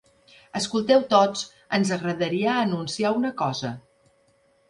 Escolteu tots, ens agradaria anunciar una cosa.